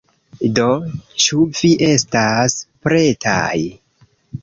Do, ĉu vi estas pretaj?